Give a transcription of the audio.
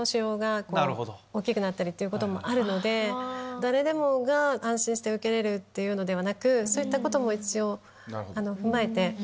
誰もが安心して受けれるっていうのではなくそういったことも一応踏まえて。